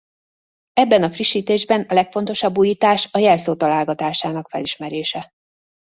Ebben a frissítésben a legfontosabb újítás a jelszó találgatásának felismerése.